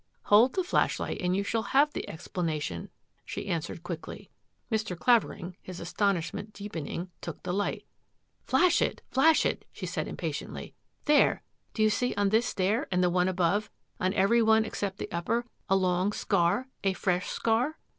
" Hold the flashlight and you shall have the ex planation," she answered quickly. Mr. Clavering, his astonishment deepening, took the light. " Flash it ! Flash it !" she said impatiently. " There, do you see on this stair and the one above, on every one except the upper, a long scar — a fresh scar?